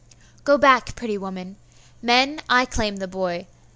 'Go back, pretty woman! Men, I claim the boy.